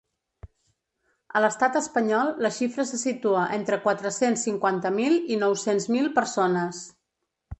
A l’estat espanyol la xifra se situa entre quatre-cents cinquanta mil i nou-cents mil persones.